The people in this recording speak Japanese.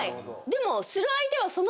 でも。